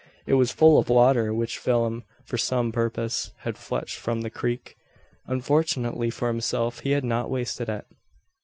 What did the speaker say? It was full of water, which Phelim, for some purpose, had fetched from the creek. Unfortunately for himself, he had not wasted it.